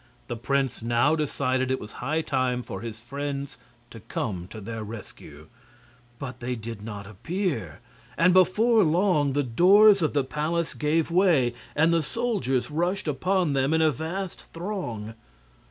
The prince now decided it was high time for his friends to come to their rescue; but they did not appear, and before long the doors of the palace gave way and the soldiers rushed upon them in a vast throng.